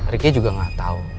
riki juga gak tahu